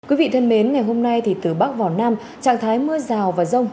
quý vị thân mến ngày hôm nay thì từ bắc vào nam trạng thái mưa rào và rông